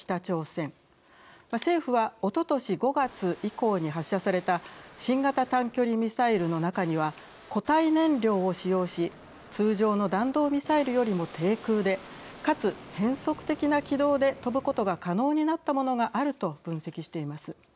政府はおととし５月以降に発射された新型短距離ミサイルの中には固体燃料を使用し通常の弾道ミサイルよりも低空でかつ変則的な軌道で飛ぶことが可能になったものがあると分析しています。